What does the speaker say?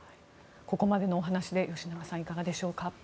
ここまでのお話で吉永さん、いかがでしょうか。